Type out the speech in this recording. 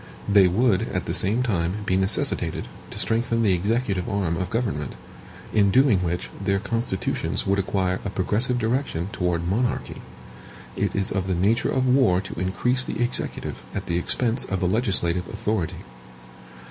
They would, at the same time, be necessitated to strengthen the executive arm of government, in doing which their constitutions would acquire a progressive direction toward monarchy. It is of the nature of war to increase the executive at the expense of the legislative authority.